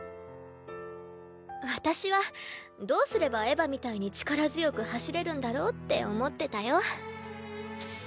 私はどうすればエヴァみたいに力強く走れるんだろうって思ってたよ。